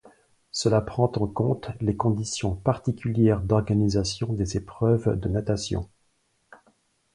Cela prend en compte les conditions particulières d'organisation des épreuves de natation.